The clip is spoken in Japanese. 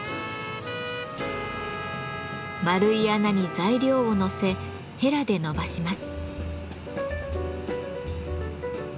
丸い穴に材料をのせヘラでのばします。